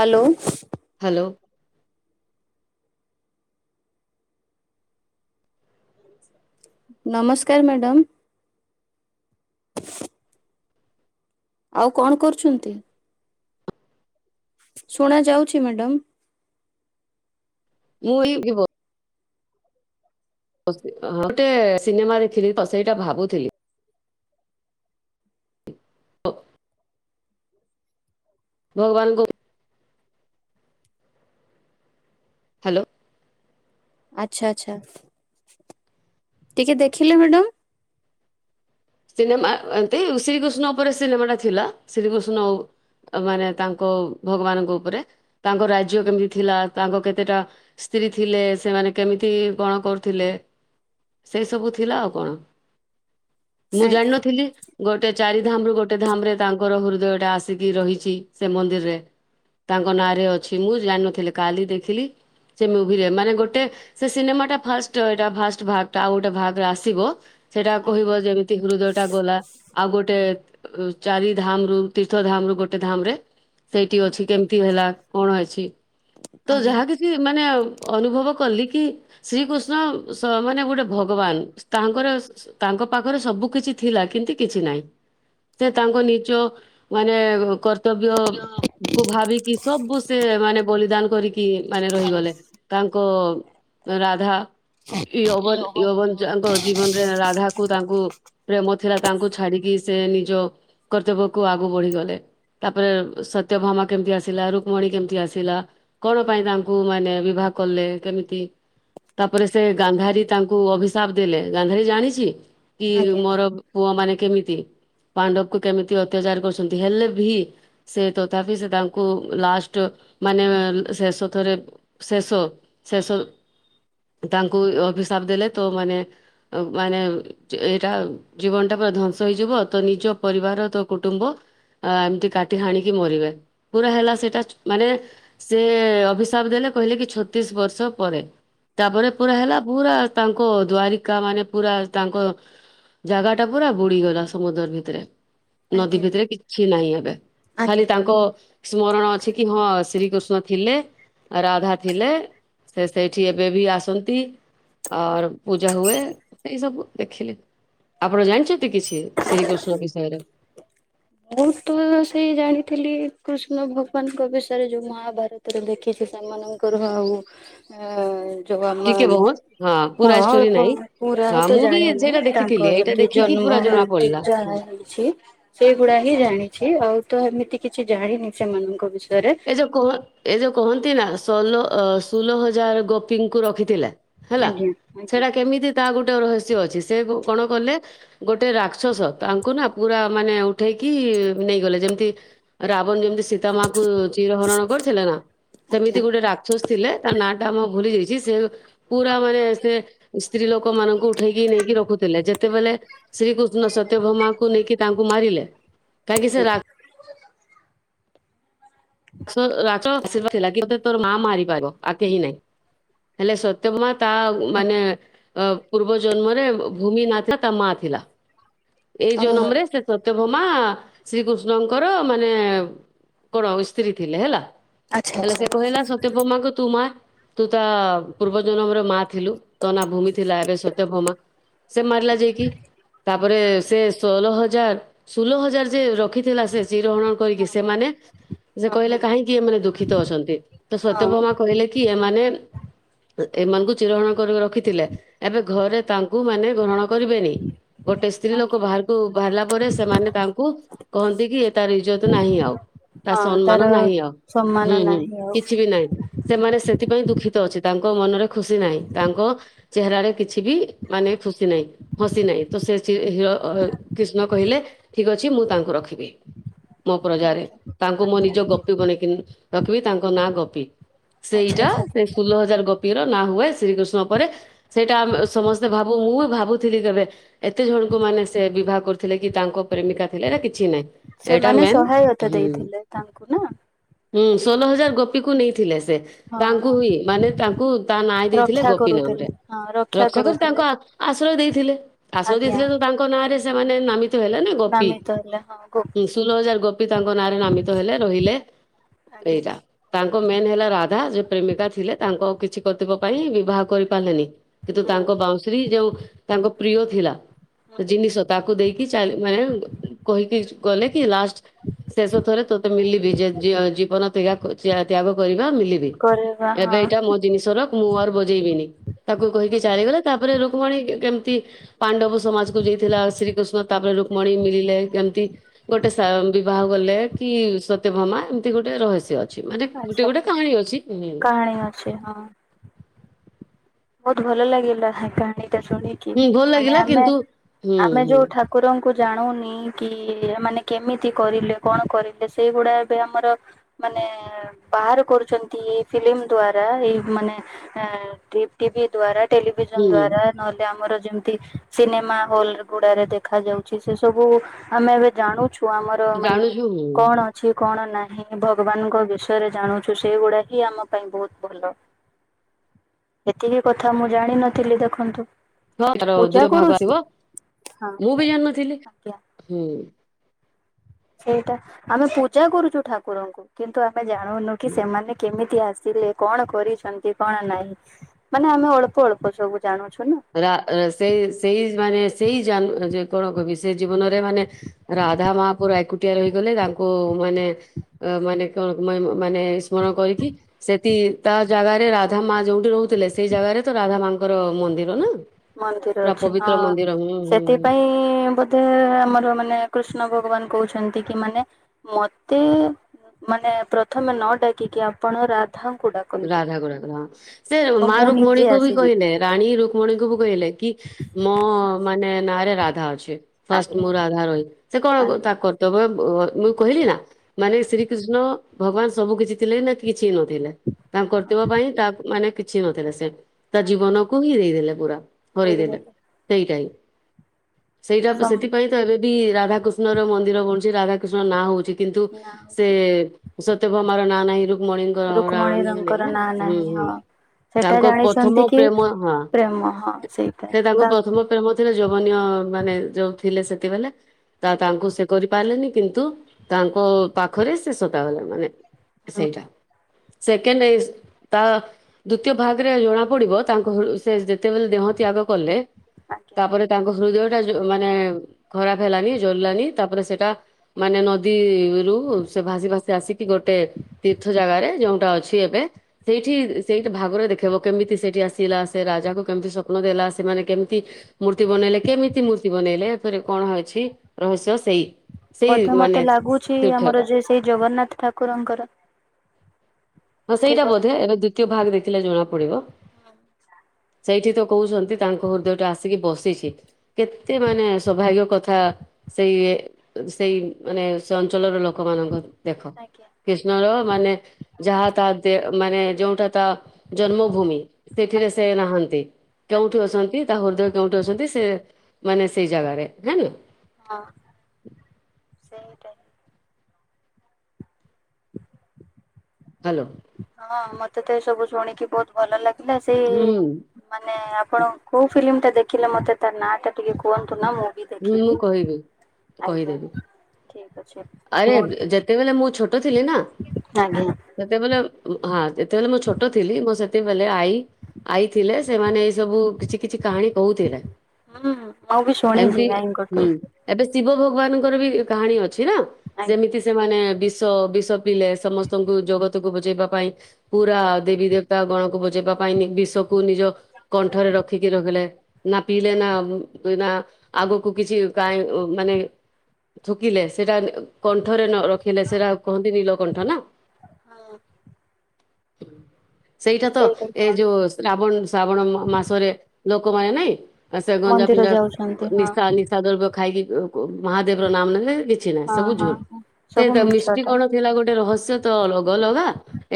Hello. Hello. ନମସ୍କାର madam. ଆଉ କଣ କରୁଛନ୍ତି? ଶୁଣା ଯାଉଛି ମ୍ୟାଡାମ? ମୁଁ ଏଇ। [unintelligible] [unintelligible] ଗୋଟେ ସିନେମା ଦେଖିଲି ତ ସେଇଟା ଭାବୁଥିଲି। [unintelligible] ଭଗବାନଙ୍କୁ ହାଲୋ। ଆଚ୍ଛା ଆଚ୍ଛା ଟିକେ ଦେଖିଲେ ମ୍ୟାଡାମ? ସିନେମା ଏମତି ଶ୍ରୀକୃଷ୍ଣ ଉପରେ ସିନେମାଟା ଥିଲା ଶ୍ରୀକୃଷ୍ଣ ମାନେ ତାଙ୍କ ଭଗବାନଙ୍କ ଉପରେ ତାଙ୍କ ରାଜ୍ୟ କେମିତି ଥିଲା ତାଙ୍କ କେତେଟା ସ୍ତ୍ରୀ ଥିଲେ ସେମାନେ କେମିତି କଣ କରୁଥିଲେ ସେ ସବୁ ଥିଲା ଆଉ କଣ। ମୁଁ ଆ ଜାଣିନଥିଲି ଗୋଟେ ଚାରି ଧାମରୁୁ ଗୋଟେ ଧାମ ରେ ତାଙ୍କର ହୃଦୟଟା ଆସିକି ରହିଛି ସେ ମନ୍ଦିରରେ। ତାଙ୍କ ନାଁରେ ଅଛି ମୁଁ ଜାଣିନଥିଲି କାଲି ଦେଖିଲି। ସେ ମୁଭିରେ ମାନେ ଗୋଟେ ସେ ସିନେମା ଟା ଫାଷ୍ଟ ଏଟା ଫାଷ୍ଟ ଭାଗ ଟା ଆଉ ଗୋଟେ ଭାଗରେ ଆସିବ। ସେଇଟା ଆଜ୍ଞା କହିବ ଯେମ ହୃଦୟ ଟା ଗଲା ଆଉ ଗୋଟେ ଚାରି ଧାମ ରୁ ତୀର୍ଥ ଧାମ ରୁ ଗୋଟେ ଧାମ ରେ ସେଇଠି ଆଜ୍ଞା ଅଛି କେମିତି ହେଲା କଣ ଅଛି। ତ ଆଜ୍ଞା ଆଜ୍ଞା ଯାହା କିଛି ମାନେ ଅନୁଭବ କଲି କି ଶ୍ରୀକୃଷ୍ଣ ସ ମାନେ ଗୋଟେ ଭଗବାନ ସ୍ତାଙ୍କର ସ୍ ତାଙ୍କ ପାଖ ଆର ସବୁ କିଛି ଥିଲା କିନ୍ତୁ, କିଛି ନାଇଁ। ସେ ତାଙ୍କ ନିଜ ମାନେ ଏ କର୍ତ୍ତବ୍ୟ କୁ ଭାବିକି ସବୁ ସେ ମାନେ ବଳିଦାନ କରିକି ମାନେ ରହିଗଲେ। ତାଙ୍କ ରାଧା ୟବନ ୟବନଙ୍କ ଯାଙ୍କ ଜୀବନରେ ରାଧାକୁ ଗୋ ପ୍ରେମ ଥିଲା ତାଙ୍କୁ ଛାଡିକି ସେ ନିଜ କର୍ତ୍ତବ୍ୟକୁ ଆଗୁକୁ ବଢିଗଲେ। ତାପରେ ସତ୍ୟଭାମା କେମତି ଆସିଲା। ରୁକ୍ମଣୀ କେମିତି ଆସିଲା। କଣ ପାଇଁ ତାଙ୍କୁ ମାନେ ବିବାହ କଲେ। କେମିତି ତାପରେ ସେ ଗାନ୍ଧାରୀ ତାଙ୍କୁ ଅଭିଶାପ ଦେଲେ। ଗାନ୍ଧାରୀ ଜାଣିଛି କି ମୋର ପୁଅମାନେ କେମିତି ପାଣ୍ଡବ କୁ କେମିତି ଅତ୍ୟାଚାର କରୁଛନ୍ତି ହେଲେ ଭି ସେ ତଥାପି ସେ ତାଙ୍କୁ ଲାଷ୍ଟ ମାନେ ଶେଷ ଥରେ ଶେଷ ଶେଷ ତାଙ୍କୁ ଅଭିିସାବ ଦେଲେ ତ ମାନେ ମାନେ ଏଇଟା ଜୀବନ ଟା ପୁରା ଧ୍ୱଂସ ହେଇଯିବ ତ ନିଜ ପରିବାର ତ କୁଟୁମ୍ବ ଏମିତି କାଟି ହାଣିକି ମରିବେ ପୁରା ହେଲା ସେଇଟା ମାନେ ସେ ଅଭିଶାପ ଦେଲେ କହିଲେ କି ଛତିଶ ବର୍ଷ ପରେ ତାପରେ ପୁରା ହେଲା ପୁରା ତାଙ୍କ ଦ୍ଵାରିକା ମାନେ ପୁରା ତାଙ୍କ- ଜାଗା ଟା ପୁରା ବୁଡିଗଲା ସମୁଦର ଭିତରେ। ନଦୀ ଭିତରେ କିଛି ନାହିଁ ଏବେ ଖାଲି ଆଜ୍ଞା। ତାଙ୍କ ସ୍ମରଣ ଅଛି କି ହଁ ଶ୍ରୀକୃଷ୍ଣ ଥିଲେ, ରାଧା ଥିଲେ ସେ ସେଇଠି ଏବେ ବି ଆସନ୍ତି ଆର୍ ପୂଜା ହୁଏ ଏଇ ସବୁ। ଦେଖିଲି ଆପଣ ଜାଣିଚନ୍ତି କିଛି ଶ୍ରୀକୃଷ୍ଣ ବିଷୟରେ। ମୁଁ ତ ସେଇ ଜାଣିଥିଲି କୃଷ୍ଣ ଭଗବାନଙ୍କ ବିଷୟରେ ଯୋଉ ମହାଭାରତରେ ଦେଖିଚି ସେମାନଙ୍କର ଆଉ ଏ ଯୋଉ ଆମ ଟିକେ ବହୁତ ପୁରା ହଁ ଷ୍ଟୋରି ଅଳ୍ପ ନାହିଁ। ପୁରା ହଁ ତ ମୁଁ ବି ଜାଣିନି ସେଇଟା ଦେଖିଥିଲି ତାଙ୍କ ଏଇଟା ଯେମିତି ଦେଖିକି ପୁରା ଜନ୍ମ ଜଣା ମୃତ୍ୟୁ ପଡିଲା। ଯାହା ହେଇଛି ସେଗୁଡା ହିଁ ଜାଣିଛି ଆଉ ତ ଏମିତି କିଛି ଜାଣିନି ସେମାନଙ୍କ ବିଷ ଏଇଯ କହ ଏଇଯ କହନ୍ତି ନା ଷୋଲ ଅ ସୁଲ ହଜାର ଗୋପୀଙ୍କୁ ରଖିଥିଲା। ହେଲା ଆଜ୍ଞା ଆଜ୍ଞା ସେଟା କେମିତି ତା ଗୋଟ ରହସ୍ୟ ଅଛି ସେ କଣ କଲେ ଗୋଟେ ରାକ୍ଷସ ତାଙ୍କୁ ନା ପୁରା ମାନେ ଉଠେଇକି ନେଇଗଲେ ଯେମତି ରାବଣ ଯେମିତି ସୀତା କୁ ଚିର ହରଣ କରିଥିଲେ ନା ସେମିତି ଆଜ୍ଞା ଗୋଟେ ରାକ୍ଷସ ଥିଲେ ତା ନା ଟା ମୁଁ ଭୁଲି ଯାଇଛି ସେ ପୁରାମାନେ ସେ ସ୍ତ୍ରୀ ଲୋକମାନଙ୍କୁ ଉଠେଇକି ନେଇକି ରଖୁଥିଲେ। ଯେତ ସେତେବେଳେ ଶ୍ରୀକୃଷ୍ଣ ସତ୍ୟଭ୍ରମାକୁ ନେଇକି ତାଙ୍କୁ ମାରିଲେ କାହିଁକି ସେ ଆଜ ରା ରାସ ରାଚ ଆଶୀର୍ବାଦ ଥିଲା କି ତତେ ତୋର ମା ମାରିପାରିବ ଆଉ କେହି ନାଇଁ। ହେଲେ ସତ୍ୟଭାମା ତା ମାନେ ଅ ପୂର୍ବ ଜନ୍ମରେ ଅ ଭୂମି ନାଥା ତା ମା ଥିଲା। ଏଇ ଯୋଉ ଓହୋ ନମ୍ରେସ ସତ୍ୟ ମା ଶ୍ରୀକୃଷ୍ଣଙ୍କର ମାନେ କଣ ସ୍ତ୍ରୀ ଥିଲେ ହେଲା। ଆଚ୍ଛା ହେଲେ ଆଚ୍ଛା ସେ କହିଲା ସତ୍ୟଭାମାଙ୍କୁ ତୁ ମା ତୁ ତା ପୂର୍ବ ଜନମରେ ମା ଥିଲୁ। ତ ନା ଭୂମି ଥିଲା ଏବେ ସତ ଭୋମା ସେ ମାରିଲା ଯାଇକି। ତା ଉପ ସେ ଷୋଲ ହଜାର ଷୁଲ ହଜାର ଯେ ରଖି ଥିଲା ସେ ଚିର ହରଣ ହଁ କରିକି ହଁ ସେମାନେ ସେ ହଁ କହିଲେ ହଁ କାହିଁକି ଏମାନେ ଦୁଃଖିତ ଅଛନ୍ତି। ତ ହଁ ସତ୍ୟଭାମା କହିଲେ କି ଏମାନେ ଏମାନଙ୍କୁ ଚିରହଣ କର ରଖିଥିଲେ। ଏବେ ଘରେ ତାଙ୍କୁ ମାନେ ଗ୍ରହଣ କରିବେନି ଗୋଟେ ସ୍ତ୍ରୀ ଲୋକ ଆଜ୍ଞା ବାହାରକୁ ବାହାରିଲା ପରେ ସେମାନେ ତାଙ୍କୁ କହନ୍ତି କି ତାର ଇଇ୍ଜତ ନାହିଁ ଆଉ ତା ହଁ ସମ୍ମାନ ତାର ନାହିଁ ଆ ସମ୍ମାନ ନାହିଁ ଆଉ କିଛି ବି ନାହିଁ ସେମାନେ ସେଥିପାଇ ଦୁଃଖିତ ଅଛି। ତାଙ୍କ ମନରେ ଖୁସି ନାହିଁ ତାଙ୍କ ଚେହେରାରେ କିଛି ବି ମାନେ ଖୁସି ନାହିଁ ହସି ନାହିଁ। ତ ସେ ହିର ହ ହରେ କ୍ରିଷ୍ଣ କହିଲେ ଠିକ୍ ଅଛି ମୁଁ ତାଙ୍କୁ ରଖିବି। ମୋ ପ୍ରଜାରେ ଆଜ୍ଞା ତାଙ୍କୁ ମଁ ଆଜ୍ଞା ନିଜ ଗପୀ ଗଣକି ରଖିବି ତାଙ୍କ ନାଁ ଗୋପୀ। ଆଚ୍ଛା ସେଇଟା ଆଚ୍ଛା ସେ ଷୋଳ ହଜାର ଗପ ର ନାଁ ହୁଏ ଶ୍ରୀକୃଷ୍ଣ ପରେ ସେଇଟା ଆମ ସମସ୍ତେ ଭାବୁ ମୁଁ ବି ଭାବୁ ଭାବୁଥିଲି କେବେ ଏତେ ଜଣଙ୍କୁ ମାନେ ସେ ବିବାହ କରୁଥିଲେ କି ତାଙ୍କ ପ୍ରେମିକା ଥିଲେ ଏରା କିଛି ନାହିଁ। ଏଇଟା ସେମାନେ ମେନ୍ ସହାୟତା ହୁଁ ଦେଇଥିଲେ ତାଙ୍କୁ ନା। ହୁଁ ଷୋହଳ ହଜାର ଗୋପିକୁ ନେଇଥିଲେ ସେ ହଁ ତାଙ୍କୁ ହଁ ହୁ ମାନେ ତାଙ୍କୁ ତା ନାଁ ଦେଇଥିଲେ ରକ୍ଷା ଗୋପୀନାମରେ କରୁଥିଲେ ହଁ ରକ୍ଷା କରି କରୁଥିଲେ ତାଙ୍କୁ ଆଶ୍ରୟ ଦେଇଥିଲେ। ଆଶ୍ରୟ ଆଜ୍ଞା ଦେଇଥିଲେ ତୁ ତାଙ୍କ ନାଁ ସେମାନେ ନାମିତ ହେଲେ ନା ଗୋପୀ ନାମିତ ହେଲା ହଁ ଗୋପୀ ଷୋହଳ ହଜାର ଗୋପୀ ତାଙ୍କ ନାଁରେ ନାମିତ ହେଲେ ରହିଲେ। ଆଜ୍ଞା। ଏଇଟା ତାଙ୍କ ମେନ୍ ହେଲା ରାଧା ଯୋଉ ପ୍ରେମିକା ଥିଲେ ତାଙ୍କୁ ଆଉ କିଛି କର୍ତ୍ତବ୍ୟା ପାଇଁ ବିବାହ କରି ପାରିଲେନି କିନ୍ତୁ ତାଙ୍କ ବାଉଁଶ୍ରୀ ଯୋଉ ତାଙ୍କ ପ୍ରିୟ ଥିଲା। ଜିନିଷ ତାକୁ ଦେଇକି ଚା ମାନେ କହିକି ଗଲେ କି ଲାଷ୍ଟ ଶେଷ ଥରେ ତୋତେ ମିଲିବି ଯେ ଜୀବନ ତ୍ୟାଗ କରିବା ମିଲିବି। କରିବା ଏବେ ହଁ ଏଇଟା ମୋ ଜିନିଷ ର ମୁଁ ଆ ବଜେଇବିନି। ତାକୁ କହିକି ଚାଲିଗଲେ ତାପରେ ଭଉଣୀ କେ କେମିତି ପାଣ୍ଡବ ସମାଜକୁ ଯାଇଥିଲା। ଶ୍ରୀକୃଷ୍ଣ ତାପରେ ରୁକ୍ମଣୀ ମିଳିଲେ କେମତି ଗୋଟେ ସା ବିବାହ କଲେ କି ସତ୍ୟଭାମା ଏମିତି ଗୋଟେ ରହସ୍ୟ ଅ ଛି ମାନେ ଗୋଟେ ଆଚ୍ଛା ଗୋଟେ ଆଚ୍ଛା। କାହାଣୀ ଅଛି ଉଁ କାହାଣୀ ଅଛି ହଁ ବହୁତ ଭଲଲାଗିଲା ସେ କାହାଣୀ। ଟା ଶୁଣିକି ହୁଁ ଭଲ ମାନେ ଲାଗିଲା ଆମେ କିନ୍ତୁ ହୁଁ [inaudible] ଆମେ ହୁଁ ଯୋଉ ଠାକୁରଙ୍କୁ କୁ ଜାଣୁନି କି ମାନେ କେମିତି କରିଲେ କଣ କରିଲେ ସେଇ ଗୁଡା ଏବେ ଆମର ମାନେ ବାହାର କରୁଛନ୍ତି। ଏଇ ଫିଲ୍ମ ଦ୍ଵାରା ଏଇ ମାନେ ଏଁ ଟି ଟିଭି ଦ୍ବାରା ଟେଲିଭିଜନ ହୁଁ ଦ୍ଵାରା ନହେଲେ ଆମର ଜ ଯେମତି ସିନେମା ହଲ ଗୁଡାରେ ଦେଖା ଯାଉଛି। ସେ ସବୁ ଆମେ ଏବେ ଜାଣୁଛୁ। କୁ ଆମର ମାନେ ଜାଣୁଛୁ ହୁଁ କଣ ଅଛି କଣ ନାହିଁ। ହୁଁ ଭଗବାନଙ୍କ ବିଷୟରେ ଜାଣୁଛୁ ସେଇ ଗୁଡା ହିଁ ଆମ ପାଇଁ ବହୁତ ଭଲ। ଏତିକି କଥା ମୁଁ ଜାଣିନଥିଲି ଦେଖନ୍ତୁ। ହଁ ତାର ପୂଜା ଦୁତୀୟ ଭାଗ କରୁଛି ଥିବ। ହଁ [inaudible] ମୁଁ ବି ଜାଣିନଥିଲି। ଆଜ୍ଞା। [inaudible] ହୁଁ। ସେଇଟା ଆମେ ପୂଜା କରୁଚୁ ଠାକୁରଙ୍କୁ କିନ୍ତୁ ଆ ମେ ଜାଣୁନୁ କି ହୁଁ ସେମାନେ କେମିତି ଆସ ଆସିଲେ କଣ କରିଛନ୍ତି। କଣ ନାହିଁ ମାନେ ଆମେ ଅଳ୍ପ ଅଳ୍ପ ସବୁ ଜାଣୁଛୁ। ନା ରା ର ସେଇ ସେଇ ମାନେ ସେଇ ଜାନ ଯେ କଣ କହିବି ସେ ଜୀବନରେ ମାନେ ରାଧା ମା ପୁରା ଏକୁଟିଆ ରହିଗଲେ ତାଙ୍କୁ ମାନେ ମାନେ କଣ ମ ମାନେ ସ୍ମରଣ କରିକି ସେଠି ତା ଜାଗାରେ ରାଧା ମା ଯୋଉଠି ରହୁ। ଥିଲେ ସେଇ ଜାଗାରେ ତ ରାଧା ମାଙ୍କ ଙ୍କର ମନ୍ଦିର ର ନା ମନ୍ଦିର ପୁରା ଅଛି ହଁ ପବିତ୍ର ମନ୍ଦିର ହୁଁ ହୁଁ ହୁଁ ସେଥିପାଇଁ ବୋଧେ ଆମର ମାନେ କୃଷ୍ଣ ଭଗବାନ କହୁଛନ୍ତି କି ମାନେ ମତେ ମାନେ ପ୍ରଥମେ ନ ଡାକିକି ଆପଣ ରା ରାଧାଙ୍କୁ ଡାକନ୍ତୁ ହଁ ସେ ତ ମା ମୁଁ ନିଜେ ରୁକ୍ମଣୀଙ୍କୁ ବି ଆସିଯିବି କହିଲେ ରାଣୀ ରୁକ୍ମଣୀଙ୍କୁ ବି କହିଲେ କି ମୋ ମାନେ ନାଁ ରେ ରାଧା ଅଛି। ଫାଷ୍ଟ ଆଜ୍ଞା ମୁଁ ରାଧାର ହିଁ ସେ କଣ ତା ଆଜ୍ଞା କର୍ତ୍ତବ୍ଯ ବ ମୁଁ କହିଲି ନା ହଁ ମାନେ ଶ୍ରୀକୃଷ୍ଣ ଭଗବାନ ସବୁ କିଛି ଥିଲେ ନା କିଛି ନ ଥିଲେ। ତାଙ୍କ କର୍ତ୍ତବ୍ଯ ହଁ ପାଇଁ ତାଙ୍କ ମାନେ କିଛି ନଥିଲା ସେ ତା ଆଜ୍ଞା ଜୀବନକୁ ହିଁ ଦେଇଦେଲେ। ପୁରା ହରେଇ ଦେଲେ ଦେଇଦେଲେ ସେଇଟା ହିଁ ସେଇଟା ସମ୍ ସେଥିପାଇଁ ତ ଏବେ ବି ରାଧା କୃଷ୍ଣ ର ମନ୍ଦିର ବନୁଛି ରାଧା କୃଷ୍ଣ ନାଁ ହଉଛି। କିନ୍ତୁ ନା ସେ ହଉଛି ସତ୍ୟଭାମା ର ନାଁ ନାହିଁ ରୁ ମଣିଙ୍କ ରୁକ୍ମଣୀ ରାନ୍ ରଙ୍କର ନାଁ [inaudible] ହୁଁ ନାହିଁ ହୁଁ ହଁ ସେଟା ତାଙ୍କ ଜାଣିଛନ୍ତି ପ୍ରଥମ କି ପ୍ରେମ ହଁ ପ୍ରେମ ହଁ ସେଇଟା ସେ ତାଙ୍କ ତା ପ୍ରଥମ ପ୍ରେମ ଯବନୀୟ ମାନେ ଯୋଉ ଥିଲେ ସେତବେଳଲେ ତା ହୁଁ ତାଙ୍କୁ ସେ କରି ପାରିଲେନି କିନ୍ତୁ ତାଙ୍କ ପାଖରେ ସେ ସତା ଗଲା ମାନେ ହୁଁ ସେଇଟା। ସେ ସେ ତା ଦ୍ଵିତୀୟ ଭାଗରେ ଜଣା ପଡିବ ତାଙ୍କ ସେ ଯେତେବେଳେ ଦେହ ତ୍ୟାଗ କଲେ। ଆଜ୍ଞା ତାପରେ ତାଙ୍କ ହୃଦୟ ସେଟା ମାନେ ଖରାପ ହେଲାନି ଜରିଲାନି ତାପରେ ସେଟା ମାନେ ନଦୀରୁୁ ସେ ଭାସି ଭାସି ଆସିକି ଗୋଟେ ତୀର୍ଥ ଜାଗାରେ ଯୋଉଟା ଅଛି ଏବେ ସେଇଠି ସେଇଠି ଭାଗରେ ଦେଖେଇବ କେମିତି ସେଇଠି ଆସିଲା ସେ ରାଜା କୁ କେମିତି ସ୍ୱପ୍ନ ଦେଲା ସେମାନେ କେମିତି ମୂର୍ତ୍ତି ବନେଇଲେ କେମିତି ମୂର୍ତ୍ତି ବନେଇଲେ ଏଥରେ କଣ ହେଇଛି ରହସ୍ୟ ସେଇ ସେଇ ବୋଧେ ମାନେ ମତେ ଲାଗୁଛି ତୀର୍ଥଟା ଆମର ଯେ ସେଇ ଜଗନ୍ନାଥ ଠାକୁରଙ୍କର। ହଁ ସେଇଟା ଥିବ ବୋଧେ ଏବେ ଦ୍ଵିତୀୟ ଭାଗ ଦେଖିଲେ ଜଣା ପଡ଼ିବ ସେଇଠି ତ କହୁଛନ୍ତି ତାଙ୍କ ହୃଦୟଟା ଆସିକି ବସିଛି କେତେ ମାନେ ସୌଭାଗ୍ୟ କଥା ସେଇ ସେଇ ମାନେ ସେ ଅଞ୍ଚଳର ଲୋକମାନାନଙ୍କ। ଦେଖ ଆଜ୍ଞା ଆଜ୍ଞା କୃଷ୍ଣର ମାନେ ଯାହା ତା ଦେ ମାନେ ଯୋଉଟା ତା ଜନ୍ମଭୂମି ସେଠିରେ ଆଜ୍ଞା ସେ ନାହାନ୍ତି କେଉଠି ଆଜ୍ଞା ଅଛନ୍ତି ତା ହୃଦୟ କେଉଠି ଅଛନ୍ତି ସେ ମାନେ ସେଇ ଜାଗାରେ [unintelligible] ହଁ ସେଇଟା। ହ୍ୟାଲୋ। ହଁ ମତେ ତ ଏ ସବୁ ଶୁଣିକି ବହୁତ ଭଲ ଲାଗେ। ପଥିଲା [unintelligible] ସେଇ ହୁଁ ମାନେ ଆପଣ କୋଉ ଫିଲ୍ମ ଟା ଦେଖ ଦେଖିଲେ ମତେ ତା ନାଁ ଟା ଟିକେ କୁହନ୍ତୁ ନା ମୁଁ ବି ହୁଁ ଦେଖିବି ମୁଁ କହିବି ଆଜ୍ଞା କହିଦେବି ଠିକ ଅଛି ଆରେ ମୁଁ ଯେତେବେଳେ ମୁଁ ଛୋଟ ଟ ଥିଲି ନା ଆଜ୍ଞା ସେତେବେଳେ ହଁ। ଯେତେବେଳେ ମୁଁ ଛୋଟ ଥିଲି ମୋ ସେ ସେତେବେଲେ ଆଈ ଆଈ ଥିଲେ ସେମାନେ ସବୁ କିଛି କିଛି କାହାଣୀ କହୁଥିଲେ। ହୁଁ ମୁଁ ବି ଶୁଣିଛି ଏମତି ଆଇଙ୍କଠୁ ହୁଁ ଏବେ ଶିବ ଭୋଗ। ଭଗବାନଙ୍କର ବି କାହାଣୀ ଅଛି। ଅଛି ନା ଆଜ୍ଞା ସେମିତି ସେମାନେ ବି ବିଷ ବିଷ ପିଲଲେ ସମସ୍ତଙ୍କୁ ଜଗତକୁ ବଚେଇବା ପାଇଁ ପୁରା ଦେବୀ ଦେବତା ଗଣକୁ ବଚେଇବା ପାଇଁ ବିଷକୁ ନିଜ। କଣ୍ଠରେ ରଖିକି ରହିଲେ। ନା ପିଲେ ନା ନା ଆଗକୁ କିଛି ଗା ମାନେ ଥୁକିଲେ ସେଟା କଣ୍ଠରେ [unintelligible] [unintelligible] ଆଉ କୁହନ୍ତି ନୀଳକଣ୍ଠ ନା। ହଁ ହୁଁ। ସେଇଟା ତ ଏ ଯୋଉ ଶ୍ରାବଣ ଶ୍ରାବଣ ମ-ମାସରେ ଲୋକମାନେ ନାଇଁ ଆସ ଗଞ୍ଜା ମନ୍ଦିର ପିଞ୍ଜା ଯାଉଛନ୍ତି ହଁ ନିଶା ନିଶା ଦ ଖାଇକି କ କ ମହାଦେବ ର ନାମ ନେଲେ କିଛି ନା ହଁ ସବୁ ହଁ ଝୁଲ ହଁ ସେ ସବୁ [unintelligible] ମିଛଟା। କଣ ଥିଲା ଗୋଟେ ରହସ୍ୟ ତ ଲଗା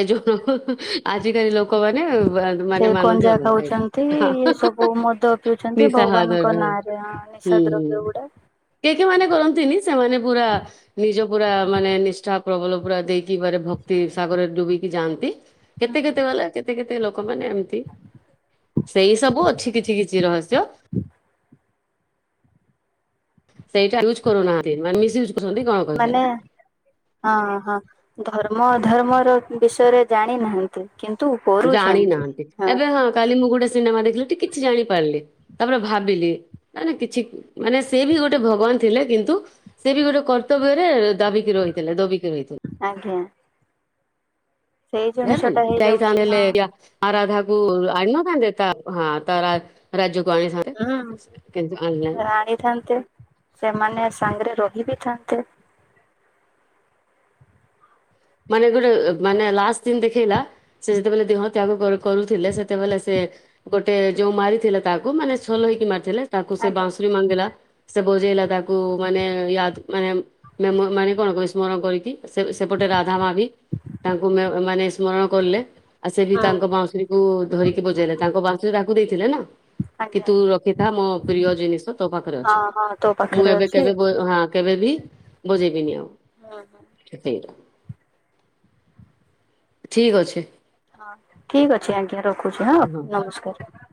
ଏ ଯଉ ହଁ ନ ଆଜିକାଲି ଲୋକ ସେ ଗଞ୍ଜା ଖାଉଛନ୍ତି, ହଁ। ସବୁ ମଦ ପିଉଛନ୍ତି ନିଶା ହଁ ଭଗବାନଙ୍କ ନାଁ ରେ ହୁଁ ହୁଁ। କେ କେ ମାନେ କରନ୍ତିନି। ସେମାନେ ପୁରା ନିଜ ପୁରା ମାନେ ନିଷ୍ଠା ପ୍ରବଳ ପୁରା ଦେଇକି ବ ଭକ୍ତି ସାଗରରେ ଡୁବିକି ଯାଆନ୍ତି। କେତେ ହୁଁ କେତେ ବାଲା କେତେ କେତେ ଲୋକ ଲୋକ ମାନ ଏମତି ସେଇ ସବୁ ଅଛି କିଛି କିଛି ରହସ୍ୟ ସେଇଟା ୟୁଜ କରୁ [unintelligible] ମାନେ ମିସ୍ ଇ ମାନେ ହଁ ହଁ ଧର ଆମ ଧର୍ମର ବିଷୟରେ ଜାଣିନାହାନ୍ତି। ଜାଣି ନାହାଁନ୍ତି। ଏବେ ହଁ କାଲି ମୁଁ ଗୋଟେ ସିନେମା ଦେଖିଲୁ ଟିକେ କିଛି ଜାଣିପାରିଲି, ତାପରେ ଭାବିଲି ମ କିଛି ମାନେ ସେ ବି ଗୋଟେ ଭଗବାନ ଥିଲେ କିନ୍ତୁ ସେ ବି ଗୋଟେ କର୍ତ୍ତବ୍ୟରେ ଦାବିକି ରହିଥିଲେ, ଦବି ଆଜ୍ଞା। ସେଇ [unintelligible] ଜିନିଷଟା ହେଇଯାଉଛି ହଁ। ଆ ରାଧାକୁ ଆଣିନଥାନ୍ତେ ତା ହଁ ତା ରା ରାଜ୍ୟକୁ ଆଣିଥାନ୍ତେ ହୁଁ କିନ୍ତୁ ଆଣିଲାନି [unintelligible] ସେମାନେ ସାଙ୍ଗରେ ରହି ବିି ଥାନ୍ତେ ମାନେ ଗୋଟେ ମାନେ ଲାଷ୍ଟ ଦିନ ଦେଖେଇଲା। ସେ ଯେତେବେଲେ ଦେହ ତ୍ୟାଗ କରୁଥିଲେ। ସେତେବେଲେ ସେ ଗୋଟେ ଯୋଉ ମାରିଥିଲା ତା ତାକୁ ମାନେ [unintelligible] ତାକୁ ସେ ଆଜ୍ଞା। [unintelligible] ସେ ବଜେଇଲା ତାକୁ ମାନେ ୟ ମାନେ ମ ମାନେ କଣ କ ସ୍ମରଣ କରିକି ସେପଟ ଗୋଟେ ରାଧ ମା ବି ତାଙ୍କୁ ମ ମାନେ ସ୍ମରଣ କଲେ। ଆ ସେ ବି ହଁ। ତାଙ୍କ ବାଉଁଶୁରୀକୁ ଧରିକି ବଜେଇଲେ ତାଙ୍କ ବାଉଁଶୁରୀ ବା ଦେଇଥିଲେ ନା। କି ଆଜ୍ଞା ତୁ ରଖିଥା ମୋ ପ୍ରିୟ ଜିନିଷ ତୋ ପାଖରେ ହଁ ଅଛି। ହଁ ତୋ ମୁଁ ପାଖରେ ଏବେ ଅଛି। କେବେ ଗୋ ହୁଁ। ହଁ କେବେ ବି ବଜେଇବିନି ଆଉ। [inaudible] ଠିକ ଅଛି। ରଖୁଚୁ ହଁ ନମସ୍କାର।